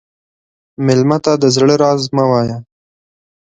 مېلمه ته د زړه راز مه وایه.